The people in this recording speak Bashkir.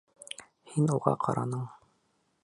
Һин уға ҡараның!